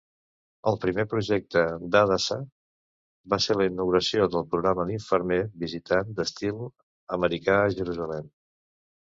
El primer projecte de Hadassah va ser la inauguració del programa d"infermer visitant d"estil americà a Jerusalem.